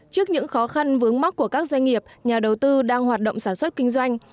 trước những khó khăn vướng mắt của các doanh nghiệp nhà đầu tư đang hoạt động sản xuất kinh doanh